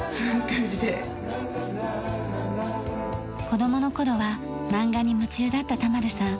子供の頃は漫画に夢中だった田丸さん。